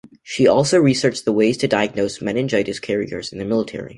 She also researched the ways to diagnose meningitis carriers in the military.